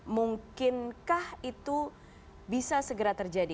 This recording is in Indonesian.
mungkinkah itu bisa segera terjadi